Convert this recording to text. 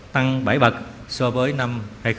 tăng bảy bậc so với năm hai nghìn hai mươi một